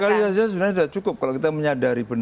dua kali saja sudah sudah cukup kalau kita menyadari benar